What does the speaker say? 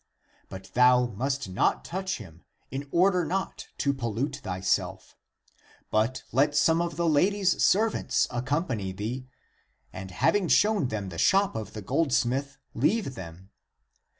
But thou must not touch him, in order not to pollute thyself; but let some of the lady's servants accompany thee, and having shown them the shop of the goldsmith, leave them.